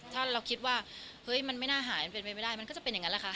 ถ้าเราคิดว่าเฮ้ยมันไม่น่าหายมันเป็นไปไม่ได้มันก็จะเป็นอย่างนั้นแหละค่ะ